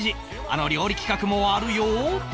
あの料理企画もあるよ